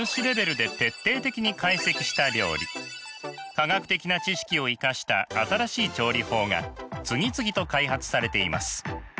科学的な知識を生かした新しい調理法が次々と開発されています。